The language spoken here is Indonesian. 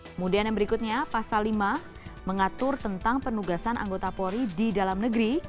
kemudian yang berikutnya pasal lima mengatur tentang penugasan anggota polri di dalam negeri